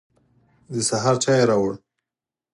د سهار چای يې راوړ.